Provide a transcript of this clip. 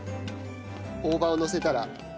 大葉をのせたら。